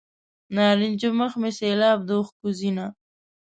نارنجي مخ مې سیلاب د اوښکو ځینه.